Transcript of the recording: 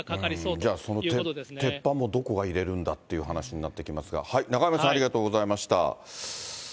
じゃあ、その鉄板もどこが入れるんだって話になってきますが、中山さん、ありがとうございました。